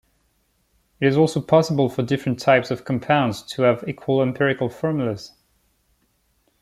It is also possible for different types of compounds to have equal empirical formulas.